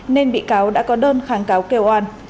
nên bị cáo đã có đơn kháng cáo kêu oan